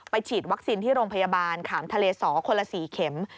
ฉีดวัคซีนที่โรงพยาบาลขามทะเลสอคนละ๔เข็ม